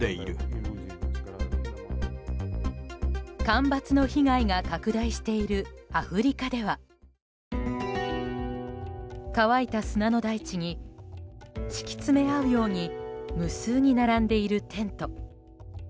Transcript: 干ばつの被害が拡大しているアフリカでは乾いた砂の大地に敷き詰め合うように無数に並んでいるテント。